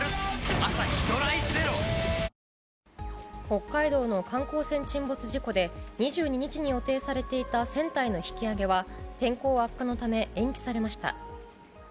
北海道の観光船沈没事故で、２２日に予定されていた船体の引き揚げは、天候悪化のため延期されました。